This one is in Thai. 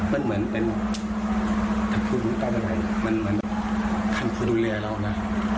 มันเหมือนเป็นท่านพูดมึงต้านอะไรมันเหมือนท่านพูดดูแลเรานะ